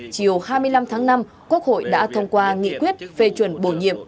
chiều hai mươi năm tháng năm quốc hội đã thông qua nghị quyết phê chuẩn bổ nhiệm